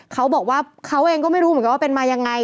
เขาบอกว่าเขาเองก็ไม่รู้เหมือนกันว่าเป็นมายังไง